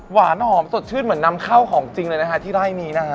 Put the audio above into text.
หวานหอมสดชื่นเหมือนนำเข้าของจริงเลยนะฮะที่ไร่นี้นะฮะ